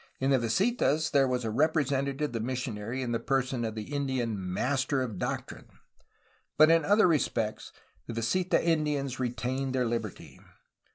In the visitas there was a representative of the missionary in the person of the Indian "master of doctrine, '^ but in other respects the visita Indians retained their liberty.